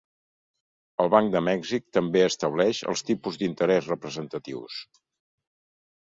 El Banc de Mèxic també estableix els tipus d'interès representatius.